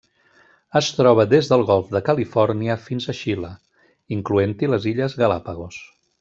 Es troba des del Golf de Califòrnia fins a Xile, incloent-hi les Illes Galápagos.